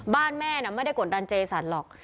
แม่น่ะไม่ได้กดดันเจสันหรอก